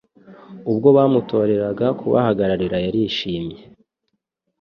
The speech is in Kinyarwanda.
ubwo bamutoreraga kubahagararira yarishimye .